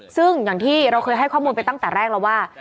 ซึ่งอย่างที่เราเคยให้ข้อมูลไปตั้งแต่แรกแล้วว่า